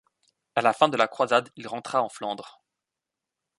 À la fin de la Croisade, il rentra en Flandre.